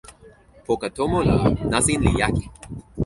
poka tomo la nasin li jaki.